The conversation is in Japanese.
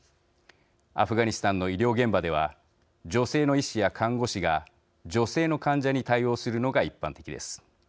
アフガニスタンの医療現場では女性の医師や看護師が女性の患者に対応するのが一般的です。